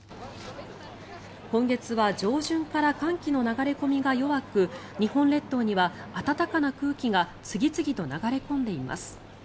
今月は上旬から寒気の流れ込みが弱く日本列島には暖かな空気が次々と流れ込んでいます。